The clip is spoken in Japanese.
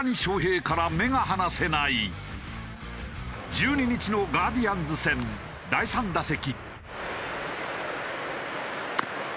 １２日のガーディアンズ戦第３打席。